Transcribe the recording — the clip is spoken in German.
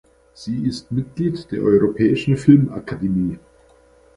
Sie ist Mitglied der Europäischen Filmakademie.